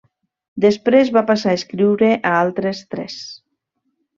Després va passar a escriure a altres tres.